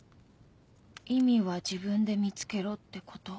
意味は自分で見つけろってこと？